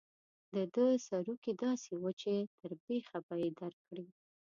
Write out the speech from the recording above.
د ده سروکي داسې وو چې تر بېخه به یې درکړي.